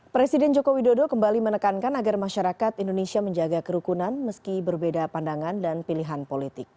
presiden joko widodo kembali menekankan agar masyarakat indonesia menjaga kerukunan meski berbeda pandangan dan pilihan politik